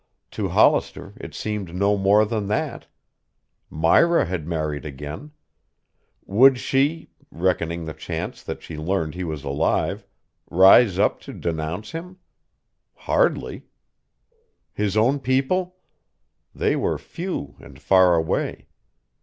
To Hollister it seemed no more than that. Myra had married again. Would she reckoning the chance that she learned he was alive rise up to denounce him? Hardly. His own people? They were few and far away.